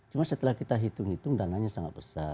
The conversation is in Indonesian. cuma setelah kita hitung hitung dananya sangat besar